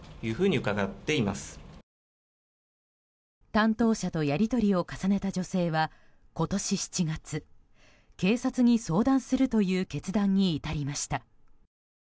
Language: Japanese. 担当者とやり取りを重ねた女性は今年７月、警察に相談するという決断に至りました。